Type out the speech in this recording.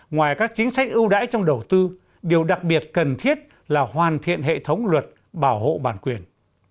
ngoài các chính sách ưu đãi trong đầu tư điều đặc biệt cần thiết là hoàn thiện hệ thống luật bảo hộ bản quyền